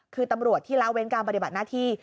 คือตำรวจที่ละเว้นการปฏิบัติหน้าที่